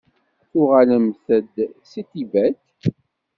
Tuɣalemt-d seg Tibet?